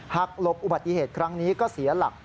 หลบอุบัติเหตุครั้งนี้ก็เสียหลัก